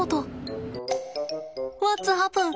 ワッツハプン？